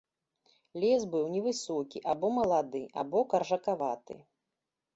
Лес быў невысокі, або малады, або каржакаваты.